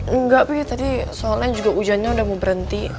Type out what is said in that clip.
enggak sih tadi soalnya juga hujannya udah mau berhenti